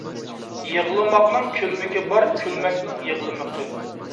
غلىماقنىڭ كۈلمىكى بار، كۈلمەكنىڭ يىغلىمىقى.